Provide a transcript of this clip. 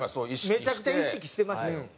めちゃくちゃ意識してましたよ。